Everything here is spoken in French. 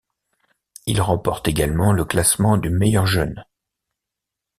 Il remporte également le classement du meilleur jeune.